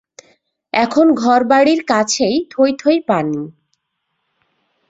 এখন ঘরবাড়ির কাছেই থইথই পানি।